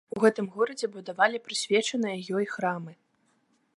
У гэтым горадзе будавалі прысвечаныя ёй храмы.